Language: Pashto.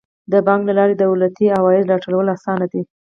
د بانک له لارې د دولتي عوایدو راټولول اسانه دي.